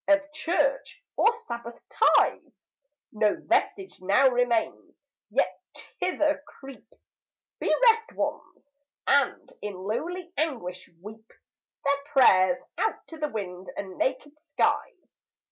Of church, or sabbath ties, 5 No vestige now remains; yet thither creep Bereft Ones, and in lowly anguish weep Their prayers out to the wind and naked skies.